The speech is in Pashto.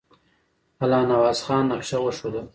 الله نواز خان نقشه وښودله.